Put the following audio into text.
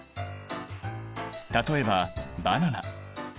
例えばバナナ。